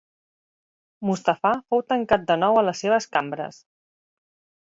Mustafà fou tancat de nou a les seves cambres.